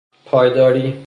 پایداری